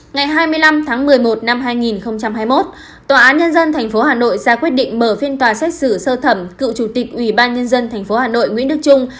ngày hai mươi năm tháng một mươi một năm hai nghìn hai mươi một tòa án nhân dân tp hà nội ra quyết định mở phiên tòa xét xử sơ thẩm cựu chủ tịch ủy ban nhân dân tp hà nội nguyễn đức trung